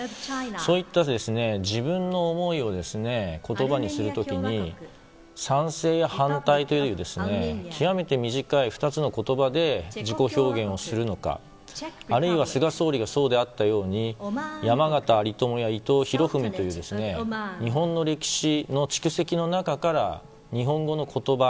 そういった自分の思いを言葉にする時に賛成や反対という極めて短い２つの言葉で自己表現をするのかあるいは菅総理がそうであったように山県有朋や伊藤博文というように日本の歴史の蓄積の中から日本語の言葉